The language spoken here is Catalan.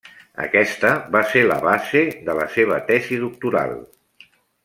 Aquesta va ser la base de la seva tesi doctoral.